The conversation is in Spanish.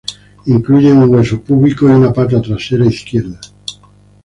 Incluyen un hueso púbico y una pata trasera izquierda.